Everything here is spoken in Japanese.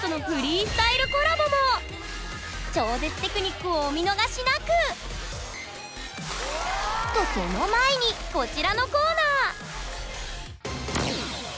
超絶テクニックをお見逃しなく！とその前にこちらのコーナー！